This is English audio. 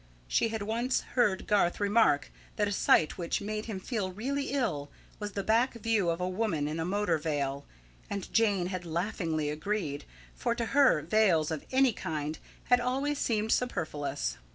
She had once heard Garth remark that a sight which made him feel really ill, was the back view of a woman in a motor veil, and Jane had laughingly agreed, for to her veils of any kind had always seemed superfluous.